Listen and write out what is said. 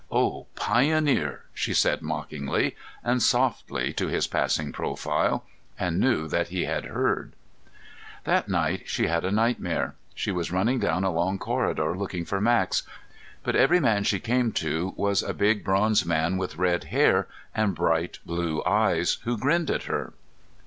"Oh, pioneer!" she said mockingly and softly to his passing profile, and knew that he had heard. That night she had a nightmare. She was running down a long corridor looking for Max, but every man she came to was a big bronze man with red hair and bright blue eyes who grinned at her.